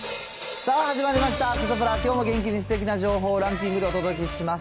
さあ、始まりました、サタプラ、きょうも元気にすてきな情報をランキングでお届けします。